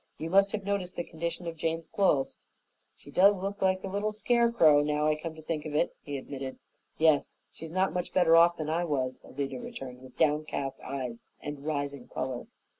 "You must have noticed the condition of Jane's clothes." "She does look like a little scarecrow, now I come to think of it," he admitted. "Yes, she's not much better off than I was," Alida returned, with downcast eyes and rising color.